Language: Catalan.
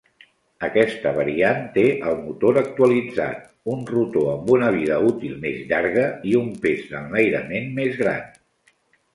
Aquesta variant té el motor actualitzat, un rotor amb una vida útil més llarga i un pes d'enlairament més gran.